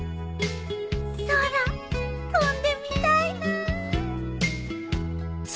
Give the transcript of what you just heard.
空飛んでみたいな。